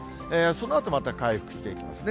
そのあとまた回復していきますね。